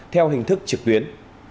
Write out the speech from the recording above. theo hình thức trực tuyến